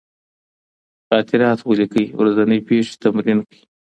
خاطرات ولیکئ، ورځني پېښې تمرین کړئ.